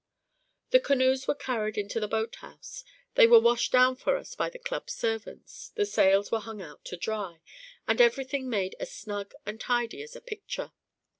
The canoes were carried into the boat house; they were washed down for us by the Club servants, the sails were hung out to dry, and everything made as snug and tidy as a picture.